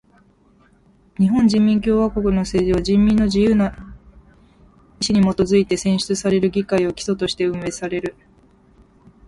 日本人民共和国の政治は人民の自由な意志にもとづいて選出される議会を基礎として運営される。